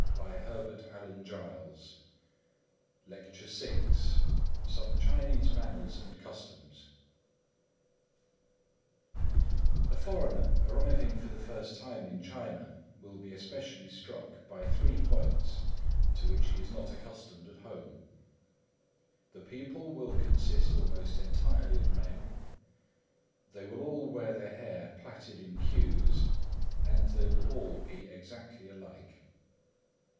LECTURE VI SOME CHINESE MANNERS AND CUSTOMS SOME CHINESE MANNERS AND CUSTOMS A foreigner arriving for the first time in China will be especially struck by three points to which he is not accustomed at home. The people will consist almost entirely of men; they will all wear their hair plaited in queues; and they will all be exactly alike.